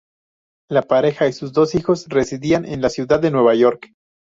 La pareja y sus dos hijos residían en la ciudad de Nueva York.